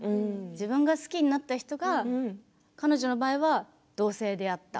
自分が好きになった人は彼女の場合は同性であった。